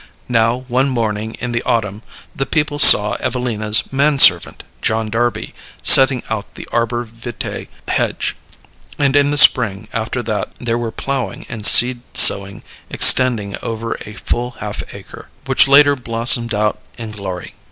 Now one morning in the autumn the people saw Evelina's man servant, John Darby, setting out the arbor vitae hedge, and in the spring after that there were ploughing and seed sowing extending over a full half acre, which later blossomed out in glory.